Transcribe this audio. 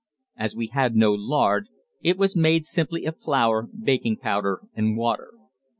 As we had no lard, it was made simply of flour, baking powder, and water.